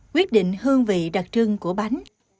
quyết định hương vị đặc trưng của bánh